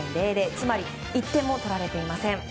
つまり１点も取られていません。